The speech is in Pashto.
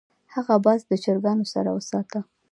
هغه باز له چرګانو سره وساته.